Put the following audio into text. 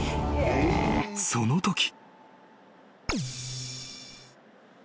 ［そのとき］